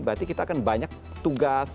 berarti kita akan banyak tugas